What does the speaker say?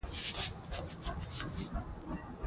غازيان له تندې څخه ستومانه کېږي.